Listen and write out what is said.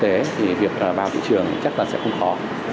thì việc vào thị trường chắc là sẽ không khó